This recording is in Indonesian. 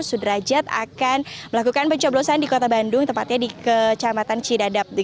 sudrajat akan melakukan pencoblosan di kota bandung tepatnya di kecamatan cidadap